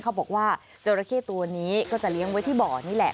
เขาบอกว่าจราเข้ตัวนี้ก็จะเลี้ยงไว้ที่บ่อนี่แหละ